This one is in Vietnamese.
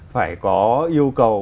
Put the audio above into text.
phải có yêu cầu